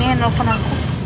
siapa yang telpon aku